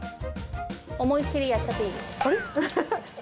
思い切りやっちゃっていいです。